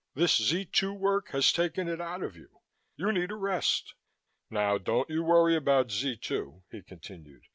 This Z 2 work has taken it out of you. You need a rest. Now don't you worry about Z 2," he continued.